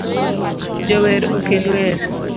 Jower okel wer